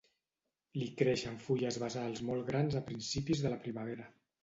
Li creixen fulles basals molt grans a principis de la primavera.